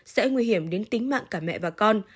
sẽ nguy hiểm đến tính mạng cả mẹ và con